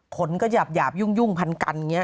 คนก็หยาบยุ่งพันกันอย่างนี้